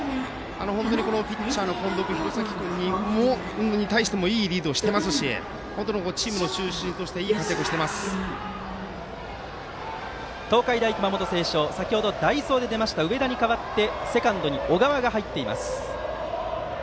本当にピッチャーの近藤君、廣崎君に対してもいいリードをしていますしチームの中心として東海大熊本星翔は先程、代走で出た植田に代わってセカンドに小川が入っています。